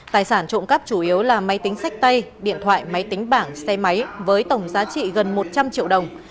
tài sản trộm cắp chủ yếu là máy tính sách tay điện thoại máy tính bảng xe máy với tổng giá trị gần một trăm linh triệu đồng